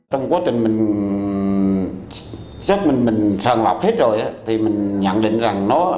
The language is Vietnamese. trong quá trình mình xác minh mình sàn lọc hết rồi á thì mình nhận định rằng nó